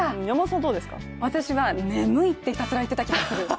私は眠いってひたすら言ってた気がする。